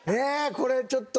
これちょっと。